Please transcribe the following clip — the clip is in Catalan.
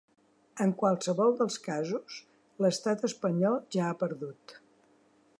En qualsevol dels casos, l’estat espanyol ja ha perdut.